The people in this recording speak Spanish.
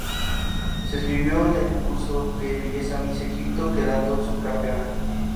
Se inscribió en el concurso de belleza Miss Egipto quedando subcampeona.